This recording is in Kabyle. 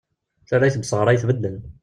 Tarrayt n usɣray tbeddel.